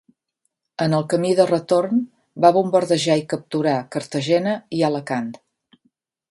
En el camí de retorn, va bombardejar i capturar Cartagena i Alacant.